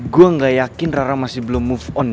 gue gak yakin rara masih belum move on